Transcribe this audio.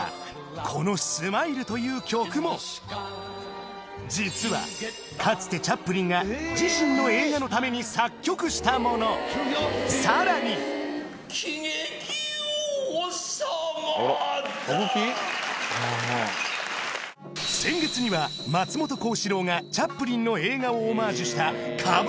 この『Ｓｍｉｌｅ』という曲も実はかつてチャップリンが自身の映画のために作曲したものさらに先月にはにも挑戦